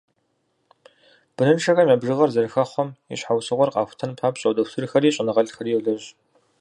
Быныншэхэм я бжыгъэр зэрыхэхъуэм и щхьэусыгъуэр къахутэн папщӏэ дохутырхэри щӏэныгъэлӏхэри йолэжь.